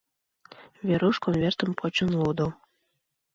Веруш конвертым почын лудо.